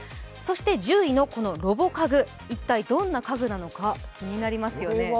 そして１０位のロボ家具、一体どんな家具なのか、気になりますよね。